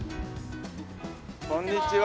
こんにちは。